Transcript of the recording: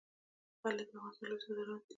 غالۍ د افغانستان لوی صادرات دي